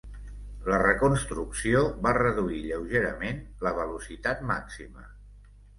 La reconstrucció va reduir lleugerament la velocitat màxima.